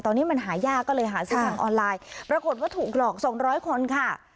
ตอนนี้มันหายากก็เลยหาซื้อทางออนไลน์ปรากฏว่าถูกหลอก๒๐๐คนค่ะ